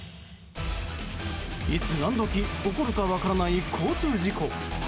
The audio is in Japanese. いつ何時起こるか分からない交通事故。